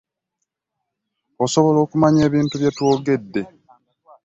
Asobola okumanya ebintu bye twogedde.